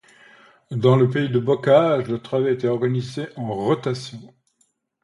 Dans les pays de bocage, le travail était organisé en rotation.